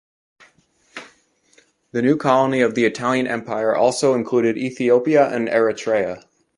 The new colony of the Italian Empire also included Ethiopia and Eritrea.